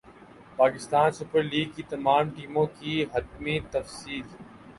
Pakistan super league کی تمام ٹیموں کی حتمی تفصیل